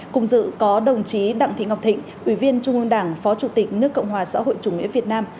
cùng dự có đồng chí đặng thị ngọc thịnh ủy viên trung ương đảng phó chủ tịch nước cộng hòa xã hội chủ nghĩa việt nam